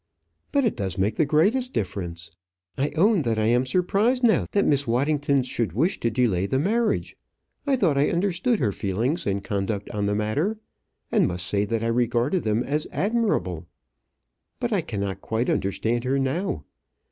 "But it does make the greatest difference. I own that I am surprised now that Miss Waddington should wish to delay the marriage. I thought I understood her feelings and conduct on the matter, and must say that I regarded them as admirable. But I cannot quite understand her now.